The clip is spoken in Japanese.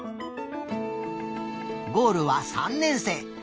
ゴールは「三年生」。